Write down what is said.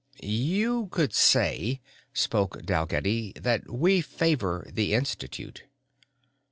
"You could say," spoke Dalgetty, "that we favor the Institute."